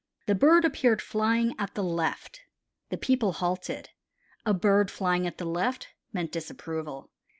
The bird appeared flying at the left. The people halted. A bird flying at the left meant disapproval.